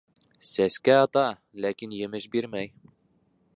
Сәскә ата, ләкин емеш бирмәй.